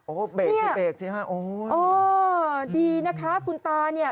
โอ้เบกที่๕โอ้ดีนะคะคุณตาเนี่ย